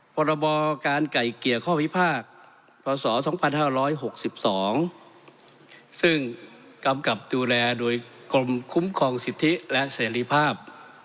พรบการไก่เกลี่ยข้อพิพากษ์พศ๒๕๖๒ซึ่งกำกับดูแลโดยกรมคุ้มครองสิทธิและเสรีภาพ